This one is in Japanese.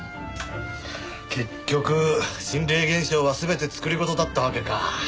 結局心霊現象は全て作り事だったわけか。